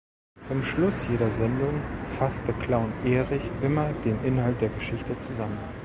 Zum Schluss jeder Sendung fasste Clown Erich immer den Inhalt der Geschichte zusammen.